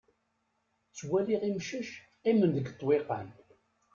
Ttwaliɣ imcac qqimen deg ṭṭwiqan.